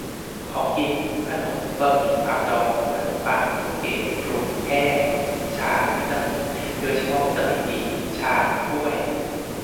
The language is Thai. - ของกิน : ขนม บะหมี่ ผักดอง ขนมปัง ลูกเกด-พรุนแห้ง ชา วิตามิน โดยเฉพาะวิตามินดี ชาม ถ้วย